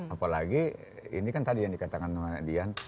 apalagi ini kan tadi yang dikatakan dian